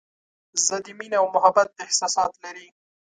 زه د مینې او محبت احساسات لري.